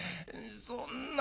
「そんな。